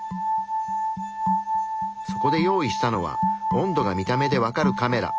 そこで用意したのは温度が見た目で分かるカメラ。